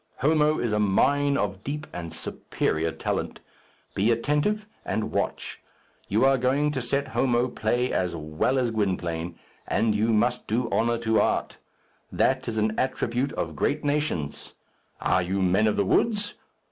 Homo is a mine of deep and superior talent. Be attentive and watch. You are going to set Homo play as well as Gwynplaine, and you must do honour to art. That is an attribute of great nations. Are you men of the woods?